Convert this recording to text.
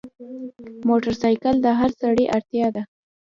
موټرسایکل د هر سړي اړتیا ده.